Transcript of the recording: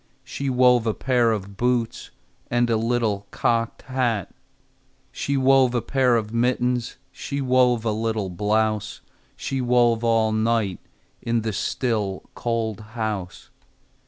She wove a pair of boots And a little cocked hat. She wove a pair of mittens, She wove a little blouse, She wove all night In the still, cold house.